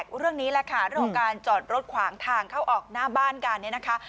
ละค่ะเรื่องของการจอดรถขวางทางเข้าออกหน้าบ้านกันเนี้ยนะคะ